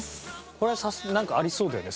これはなんかありそうだよね